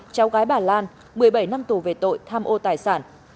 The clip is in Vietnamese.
cháu gái bà lan một mươi bảy năm tù về tội tham ô tài sản